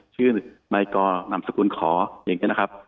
ชื่อมากอนามสกุลขออย่างนี้นะครับ